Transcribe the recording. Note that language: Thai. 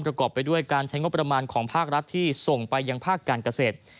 ประกอบไปด้วยการใช้งบประมาณของภาครัฐที่ส่งไปยังภาคการเกษตร